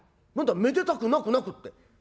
何だ『めでたくなくなく』って。